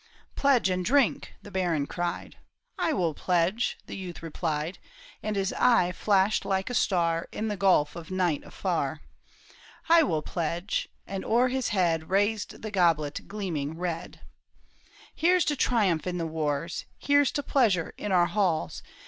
"" Pledge and drink !" the baron cried. " I will pledge," the youth replied ; And his eye flashed like a star In the gulf of night afar. " I will pledge ;" and o'er his head Raised the goblet gleaming red. " Here's to triumph in the wars ! Here's to pleasure in our halls